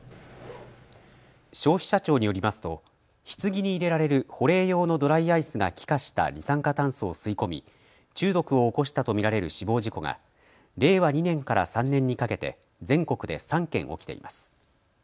消費者庁によりますとひつぎに入れられる保冷用のドライアイスが気化した二酸化炭素を吸い込み中毒を起こしたと見られる死亡事故が令和２年から３年にかけて全国で３件起きています。